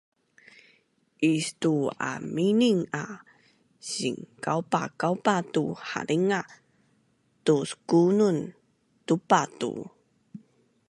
Istu-aminin a sikaupakaupa tu halinga, tuskunun tupa tu